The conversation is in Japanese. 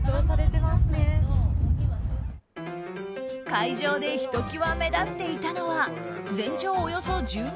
会場でひときわ目立っていたのは全長およそ１２ｍの